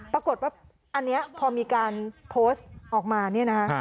ปรากฏว่าอันนี้พอมีการโพสต์ออกมาเนี่ยนะคะ